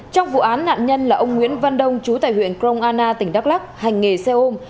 trong vụ án nạn nhân là ông nguyễn văn đông chú tại huyện krong anna tỉnh đắk lắc hành nghề xe ôm